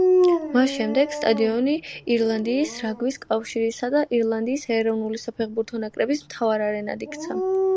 მას შემდეგ სტადიონი ირლანდიის რაგბის კავშირისა და ირლანდიის ეროვნული საფეხბურთო ნაკრების მთავარ არენად იქცა.